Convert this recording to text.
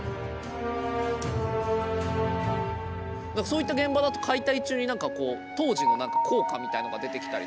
そういった現場だと解体中になんかこう当時の硬貨みたいのが出てきたりとか。